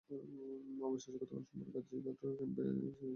অবশেষে গতকাল সোমবার গাজোকাঠি ক্যাম্পে গিয়ে সেও ভারতে যাওয়ার অনুমতি পায়।